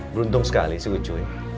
beruntung sekali sih ucuy